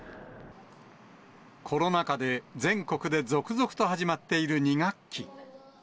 コロナ禍で、全国で続々と始まっている２学期。